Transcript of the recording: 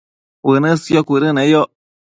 uënësqio cuëdëneyoc